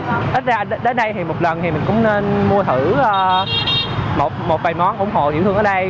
ít ra đến đây thì một lần mình cũng nên mua thử một vài món ủng hộ tiểu thương ở đây